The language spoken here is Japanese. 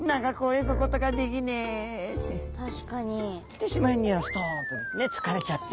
でしまいにはストンとですね疲れちゃって。